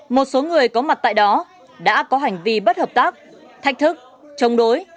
một số người có mặt tại đó đã có hành vi bất hợp tác thách thức chống đối